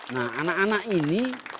nah anak anak ini